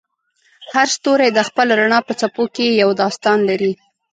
هر ستوری د خپل رڼا په څپو کې یو داستان لري.